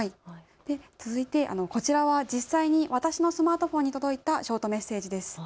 続いてこちらは実際に私のスマートフォンに届いたショートメッセージです。